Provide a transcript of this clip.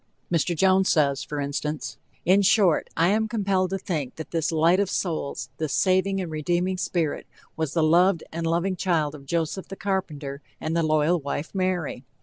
Mr. Jones says, for instance: "In short, I am compelled to think that this Light of Souls, this saving and redeeming spirit, was the loved and loving child of Joseph, the carpenter, and the loyal wife Mary.